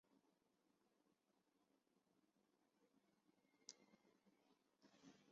哈伊马角也未同意加入。